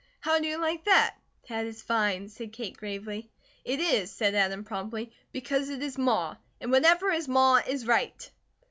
How do you like that?" "That is fine," said Kate gravely. "It is," said Adam, promptly, "because it is Ma. And whatever is Ma, is right."